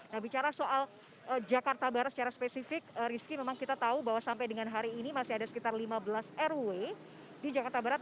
nah bicara soal jakarta barat secara spesifik rizky memang kita tahu bahwa sampai dengan hari ini masih ada sekitar lima belas rw di jakarta barat